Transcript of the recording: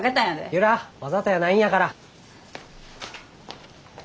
由良わざとやないんやから。